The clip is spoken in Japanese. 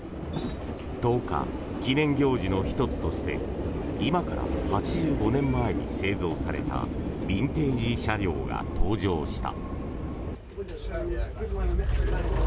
１０日、記念行事の１つとして今から８５年前に製造されたビンテージ車両が登場した。